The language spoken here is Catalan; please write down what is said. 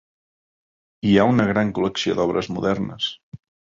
Hi ha una gran col·lecció d'obres modernes.